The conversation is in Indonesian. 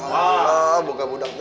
alhamdulillah buka budaknya